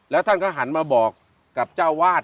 แล้วท่านก็หันมาบอกกับเจ้าวาด